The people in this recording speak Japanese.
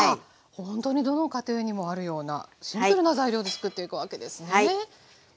ほんとにどの家庭にもあるようなシンプルな材料でつくっていくわけですね。